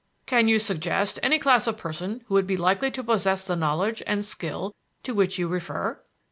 "Can you suggest any class of person who would be likely to possess the knowledge and skill to which you refer?"